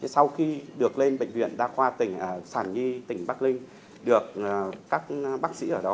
sau khi được lên bệnh viện đa khoa tỉnh sản nhi tỉnh bắc ninh được các bác sĩ ở đó